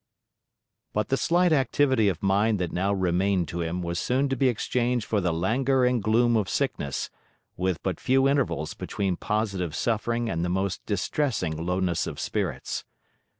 But the slight activity of mind that now remained to him was soon to be exchanged for the languor and gloom of sickness, with but few intervals between positive suffering and the most distressing lowness of spirits.